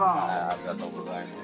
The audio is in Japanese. ありがとうございます。